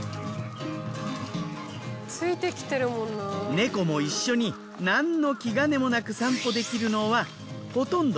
猫も一緒になんの気兼ねもなく散歩できるのはほとんど